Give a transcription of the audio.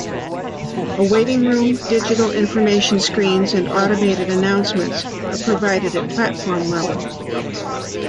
A waiting room, digital information screens and automated announcements are provided at platform level.